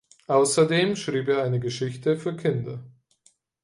Außerdem schrieb er eine Geschichte für Kinder.